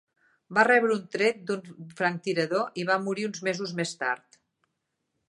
Va rebre un tret d'un franctirador i va morir uns mesos més tard.